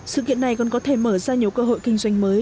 sự kiện này còn có thể mở ra nhiều cơ hội kinh doanh mới